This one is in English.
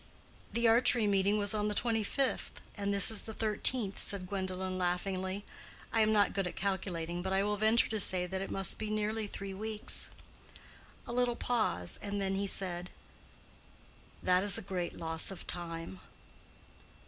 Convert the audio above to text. "The archery meeting was on the 25th, and this is the 13th," said Gwendolen, laughingly. "I am not good at calculating, but I will venture to say that it must be nearly three weeks." A little pause, and then he said, "That is a great loss of time."